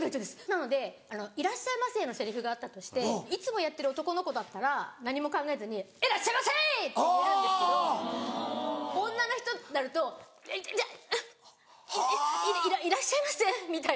なので「いらっしゃいませ」のセリフがあったとしていつもやってる男の子だったら何も考えずに「いらっしゃいませ！」って言えるんですけど女の人ってなると「いいいらっしゃいませ」みたいな。